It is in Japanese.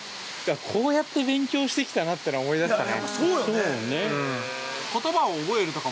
こうやって勉強してきたなっての思い出したね。